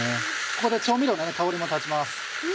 ここで調味料の香りも立ちます。